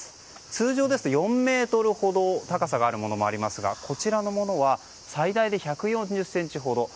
通常ですと４ｍほどの高さがあるものもありますがこちらのものは最大で１４０ｃｍほど。